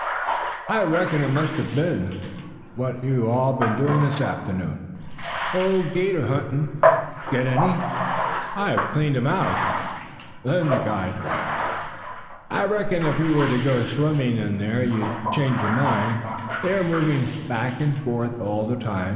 "I reckon it must have been. What you all been doing this afternoon?" "Oh, 'gator hunting." "Get any?" "I have cleaned them out." The guide laughed. "I reckon if you were to go swimming in there you'd change your mind. They are moving back and forth all the time.